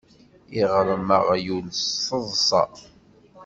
Iɣṛem aɣyul s teḍṣa.